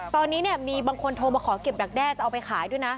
ตอนนี้เนี่ยมีบางคนโทรมาขอเก็บดักแด้จะเอาไปขายด้วยนะ